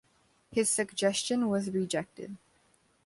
This suggestion was rejected.